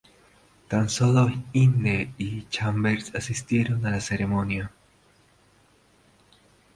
Tan sólo Hynde y Chambers asistieron a la ceremonia.